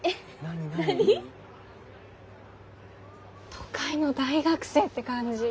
都会の大学生って感じ。